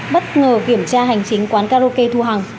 bất ngờ kiểm tra hành chính quán karaoke thu hằng